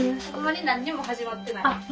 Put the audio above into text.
ほんまに何にも始まってない。